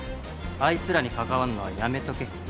あいつらに関わんのはやめとけ。